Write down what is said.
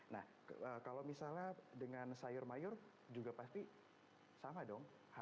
nah kalau misalnya dengan sayur mayur juga pasti sama dong